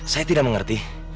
saya tidak mengerti